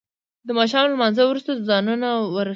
د ما ښام له لما نځه وروسته ځانونه ورسو.